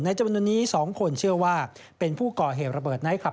จำนวนนี้๒คนเชื่อว่าเป็นผู้ก่อเหตุระเบิดไนท์คลับ